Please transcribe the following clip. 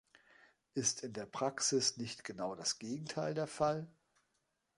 Ist in der Praxis nicht genau das Gegenteil der Fall?